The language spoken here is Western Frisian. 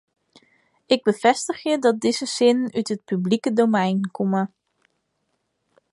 Ik befêstigje dat dizze sinnen út it publike domein komme.